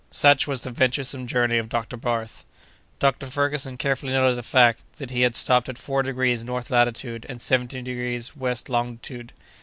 Such was the venturesome journey of Dr. Barth. Dr. Ferguson carefully noted the fact, that he had stopped at four degrees north latitude and seventeen degrees west longitude.